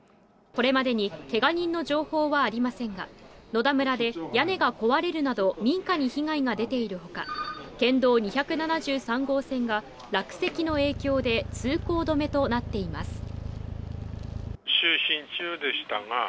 これまでにけが人の情報はありませんが、野田村で屋根が壊れるなど民家に被害が出ているほか、県道２７３号線が落石の影響で通行止めとなっています。